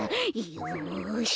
よし。